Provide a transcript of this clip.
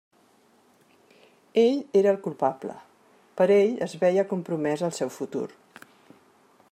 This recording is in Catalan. Ell era el culpable; per ell es veia compromès el seu futur.